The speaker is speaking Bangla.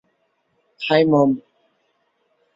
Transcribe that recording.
হাই, মম।